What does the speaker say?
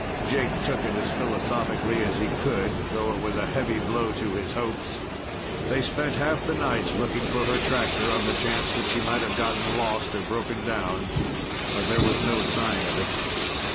Jake took it as philosophically as he could, though it was a heavy blow to his hopes. They spent half the night looking for her tractor, on the chance that she might have gotten lost or broken down, but there was no sign of it.